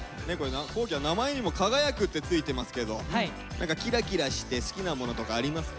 皇輝は名前にも「輝く」って付いてますけど何かキラキラして好きなものとかありますか？